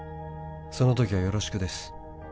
「その時はよろしくです」